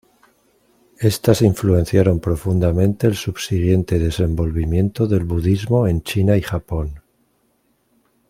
Estas influenciaron profundamente el subsiguiente desenvolvimiento del budismo en China y Japón.